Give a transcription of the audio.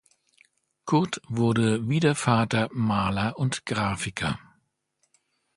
Kurt wurde wie der Vater Maler und Grafiker.